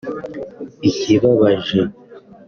Ikibabaje